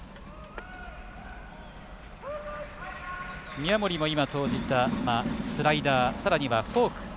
宮森も投じたスライダーさらにはフォーク。